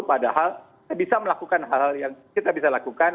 padahal kita bisa melakukan hal hal yang kita bisa lakukan